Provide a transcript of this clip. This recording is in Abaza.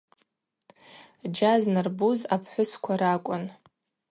Джьа знарбуз апхӏвысква ракӏвын.